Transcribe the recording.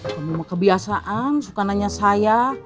kamu mah kebiasaan suka nanya saya